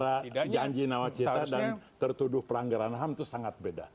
karena janji nawacita dan tertuduh pelanggaran ham itu sangat beda